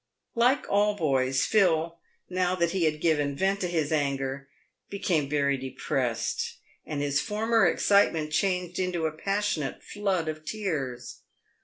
Like all boys, Phil, now that he had given vent to his anger, be came very depressed, and his former excitement changed into a pas sionate flood of tears.